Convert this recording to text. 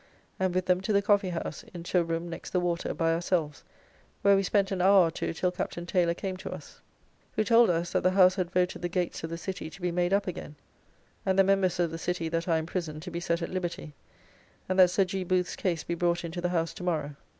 ] and with them to the Coffee House, into a room next the water, by ourselves, where we spent an hour or two till Captain Taylor came to us, who told us, that the House had voted the gates of the City to be made up again, and the members of the City that are in prison to be set at liberty; and that Sir G. Booth's' case be brought into the House to morrow.